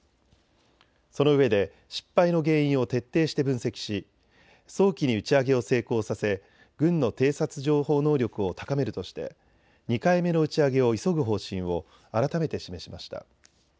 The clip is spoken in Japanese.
そのうえで失敗の原因を徹底して分析し早期に打ち上げを成功させ軍の偵察情報能力を高めるとして２回目の打ち上げを急ぐ方針を改めて示しました。